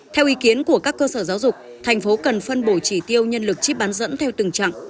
theo ý kiến của các cơ sở giáo dục thành phố cần phân bổ chỉ tiêu nhân lực chip bán dẫn theo từng trạng